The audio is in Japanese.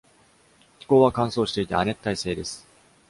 気候は乾燥していて亜熱帯性です。